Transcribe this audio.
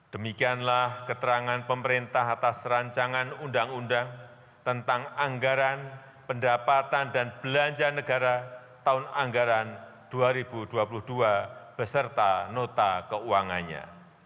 demikianlah keterangan pemerintah atas rancangan undang undang tentang anggaran pendapatan dan belanja negara tahun anggaran dua ribu dua puluh dua beserta nota keuangannya